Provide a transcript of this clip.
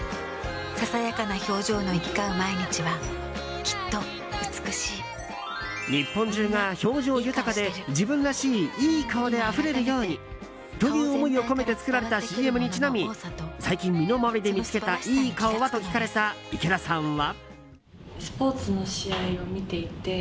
ささやかな表情が行き交う毎日は日本中が表情豊かで自分らしいいい顔であふれるようにという思いを込めて作られたＣＭにちなみ最近、身の回りで見つけたいい顔は？と聞かれた池田さんは。